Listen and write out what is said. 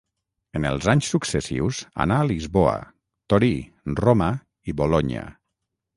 En els anys successius anà a Lisboa, Torí, Roma i Bolonya.